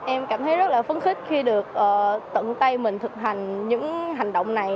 em cảm thấy rất là phấn khích khi được tận tay mình thực hành những hành động này